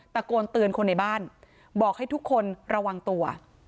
ตะโกนเตือนคนในบ้านบอกให้ทุกคนระวังตัว